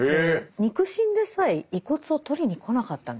肉親でさえ遺骨を取りに来なかったんですよ。